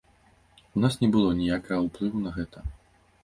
У нас не было аніякага ўплыву на гэта.